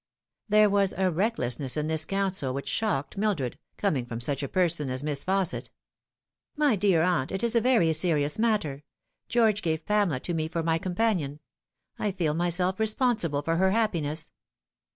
There was a recklessness in this counsel which shocked Mil dred, coming from such a person as Miss Fausset. " My dear aunt, it is a very serious matter. George gave Pamela to me for my companion. I feel myself responsible for her happiness."